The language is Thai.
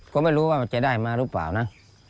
ก็ไม่รู้ว่ามันจะได้มาหรือเปล่านะ